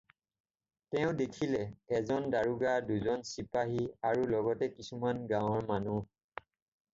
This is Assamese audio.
তেওঁ দেখিলে, এজন দাৰোগা, দুজন চিপাহী আৰু লগতে কিছুমান গাৱঁৰ মানুহ।